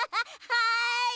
はい！